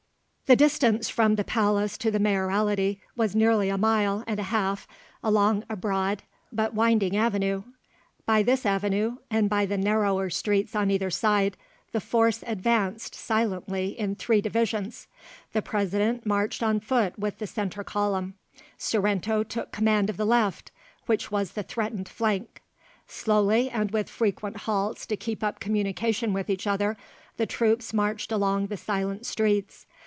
The distance from the palace to the Mayoralty was nearly a mile and a half along a broad but winding avenue; by this avenue, and by the narrower streets on either side, the force advanced silently in three divisions. The President marched on foot with the centre column; Sorrento took command of the left, which was the threatened flank. Slowly, and with frequent halts to keep up communication with each other, the troops marched along the silent streets.